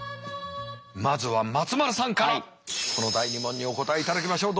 まずは松丸さんからこの第２問にお答えいただきましょう。